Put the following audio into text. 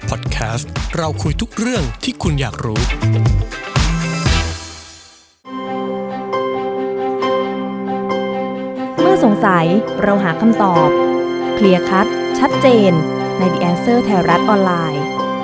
โปรดติดตามตอนต่อไป